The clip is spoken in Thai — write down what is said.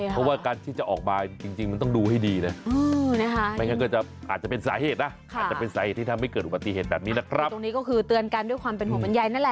เพราะว่าการที่จะออกมาจริงมันต้องดูให้ดีนะอาจจะเป็นสาเหตุนะอาจจะเป็นสาเหตุที่ทำให้เกิดอุบัติเหตุแบบนี้นะครับ